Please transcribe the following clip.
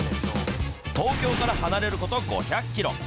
東京から離れること５００キロ。